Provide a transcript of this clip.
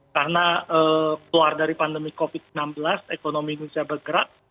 karena keluar dari pandemi covid sembilan belas ekonomi indonesia bergerak